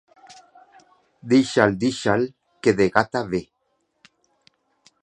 Deixa'l, deixa'l, que de Gata ve.